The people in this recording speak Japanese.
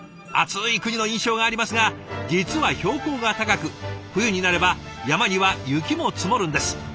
暑い国の印象がありますが実は標高が高く冬になれば山には雪も積もるんです。